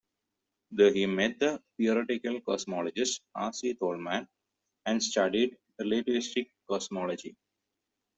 There he met the theoretical cosmologist R. C. Tolman, and studied relativistic cosmology.